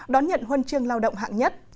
đón nhận huân chương lao động hạng nhất